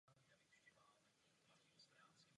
Vítám proto iniciativu Evropské komise tuto mezeru zaplnit.